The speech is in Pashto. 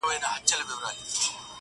• چي پر چا غمونه نه وي ورغلي -